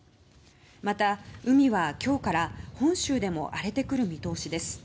また、海は今日から本州でも荒れてくる見通しです。